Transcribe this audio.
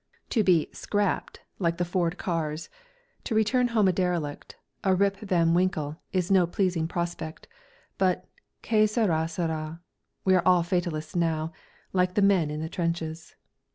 To be "scrapped" like the Ford cars, to return home a derelict, a Rip van Winkle, is no pleasing prospect; but che sarà, sarà. We are all fatalists now, like the men in the trenches.